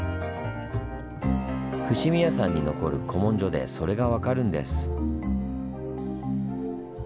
ふしみやさんに残る古文書でそれが分かるんです。